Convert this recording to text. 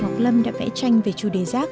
ngọc lâm đã vẽ tranh về chủ đề rác